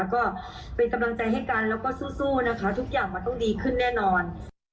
ก็เป็นกำลังใจให้กันแล้วก็สู้นะคะทุกอย่างมันต้องดีขึ้นแน่นอน